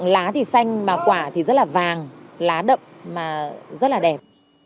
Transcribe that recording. lá thì xanh mà quả thì rất là vàng lá đậm mà rất là đẹp